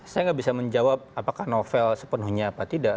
saya nggak bisa menjawab apakah novel sepenuhnya apa tidak